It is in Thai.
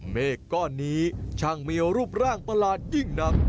เมฆก้อนนี้ช่างมีรูปร่างประหลาดยิ่งหนัก